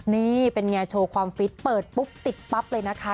นี่เป็นไงโชว์ความฟิตเปิดปุ๊บติดปั๊บเลยนะคะ